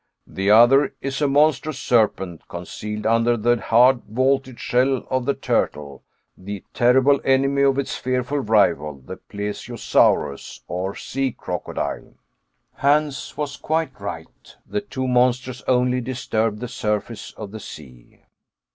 "The other is a monstrous serpent, concealed under the hard vaulted shell of the turtle, the terrible enemy of its fearful rival, the Plesiosaurus, or sea crocodile." Hans was quite right. The two monsters only, disturbed the surface of the sea!